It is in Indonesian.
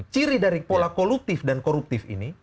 ciri dari pola kolutif dan koruptif ini